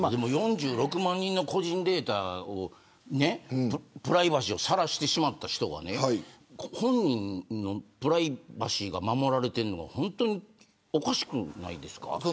４６万人の個人データをプライバシーをさらしてしまった人が本人のプライバシーが守られているのは本当おかしくないですか。